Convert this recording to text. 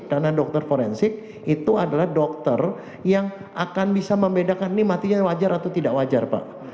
karena dokter forensik itu adalah dokter yang akan bisa membedakan ini matinya wajar atau tidak wajar pak